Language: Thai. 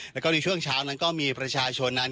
แล้วก็ในช่วงเช้านั้นก็มีประชาชนนั้น